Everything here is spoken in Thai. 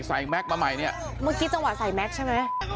แก๊กมาใหม่เนี่ยเมื่อกี้จังหวะใส่แม็กซ์ใช่ไหม